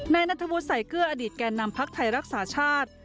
ในนัทบุษไสเกื้ออดีตแก่นำพักไทยรักษาชาติ